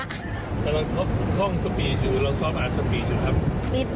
แต่เราท่องสปีดอยู่เราซอบอาจสปีดอยู่ครับ